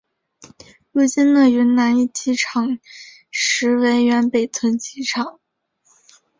如今的云南驿机场实为原北屯机场。